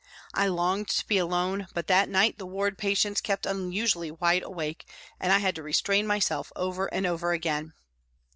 I longed to be alone, but that night the ward patients kept unusually wide awake and I had to restrain myself over and over again.